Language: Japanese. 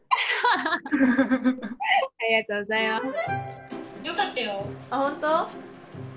ありがとうございます